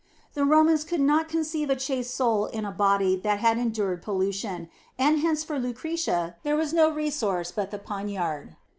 The Romans could not conceive a chaste soul in a body that had endured pollution, and hence for Lucretia there was no resource but the poniard.